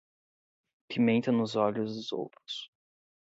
Pimenta nos olhos dos outros